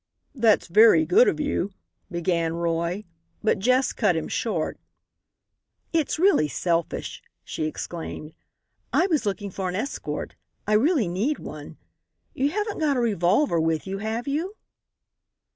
"That's very good of you " began Roy, but Jess cut him short. "It's really selfish," she exclaimed. "I was looking for an escort. I really need one. You haven't got a revolver with you, have you?"